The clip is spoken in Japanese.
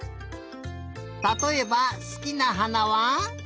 たとえばすきなはなは？